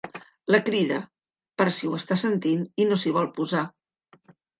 La crida, per si ho està sentint i no s'hi vol posar.